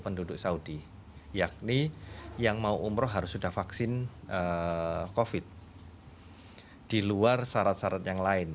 penduduk saudi yakni yang mau umroh harus sudah vaksin kofit di luar syarat syarat yang lain